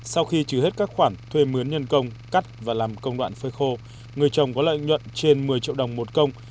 sau khi trừ hết các khoản thuê mướn nhân công cắt và làm công đoạn phơi khô người chồng có lợi nhuận trên một mươi triệu đồng một công